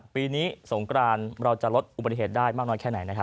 ปีนี้สงกรานเราจะลดอุบัติเหตุได้มากน้อยแค่ไหนนะครับ